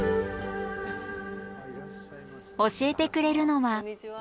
教えてくれるのは。